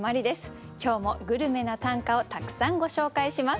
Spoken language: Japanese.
今日もグルメな短歌をたくさんご紹介します。